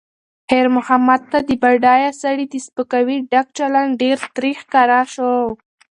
خیر محمد ته د بډایه سړي د سپکاوي ډک چلند ډېر تریخ ښکاره شو.